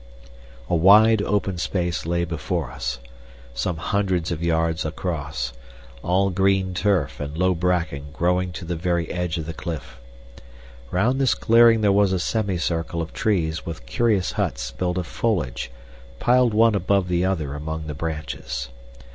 A wide, open space lay before us some hundreds of yards across all green turf and low bracken growing to the very edge of the cliff. Round this clearing there was a semi circle of trees with curious huts built of foliage piled one above the other among the branches.